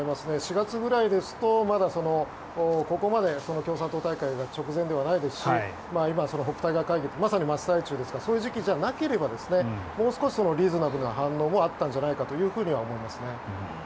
４月ぐらいですとまだここまで共産党大会が直前ではないですし今、北戴河会議まさに真っ最中ですからそういう時期じゃなければもう少しリーズナブルな反応もあったんじゃないかと思います。